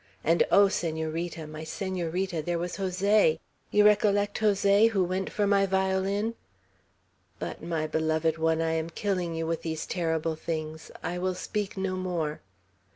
and, O Senorita, my Senorita, there was Jose! You recollect Jose, who went for my violin? But, my beloved one, I am killing you with these terrible things! I will speak no more."